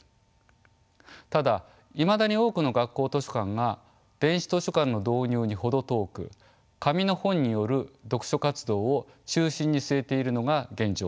ただいまだに多くの学校図書館が電子図書館の導入に程遠く紙の本による読書活動を中心に据えているのが現状です。